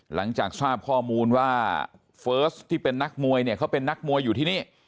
หลังจากทราบข้อมูลว่าเฟิร์สที่เป็นนักมวยเนี่ยเขาเป็นนักมวยอยู่ที่นี่